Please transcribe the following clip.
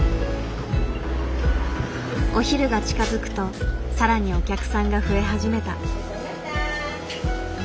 お昼が近づくと更にお客さんが増え始めた。